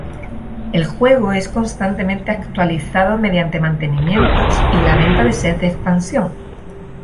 El juego es constantemente actualizado mediante mantenimientos y la venta de sets de expansión.